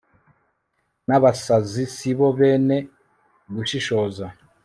n'abasaza si bo bene gushishoza